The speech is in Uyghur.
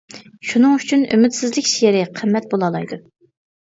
شۇنىڭ ئۈچۈن ئۈمىدسىزلىك شېئىرى قىممەت بولالايدۇ.